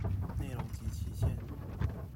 內容及期限